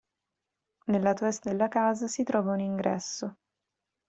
Nel lato est della casa si trova un ingresso.